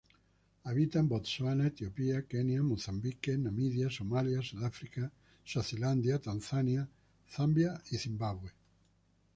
Habita en Botsuana, Etiopía, Kenia, Mozambique, Namibia, Somalia, Sudáfrica, Suazilandia, Tanzania, Zambia y Zimbabue.